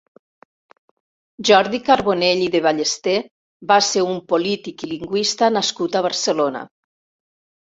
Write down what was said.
Jordi Carbonell i de Ballester va ser un polític i lingüista nascut a Barcelona.